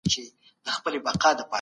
د لويي جرګې سختي پرېکړي څوک عملي کوي؟